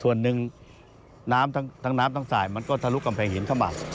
ส่วนหนึ่งน้ำทั้งน้ำทั้งสายมันก็ทะลุกำแพงหินเข้ามา